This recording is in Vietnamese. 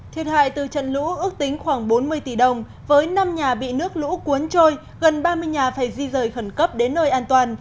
thiệt hại từ trận lũ ước tính khoảng bốn mươi tỷ đồng với năm nhà bị nước lũ cuốn trôi gần ba mươi nhà phải di rời khẩn cấp đến nơi an toàn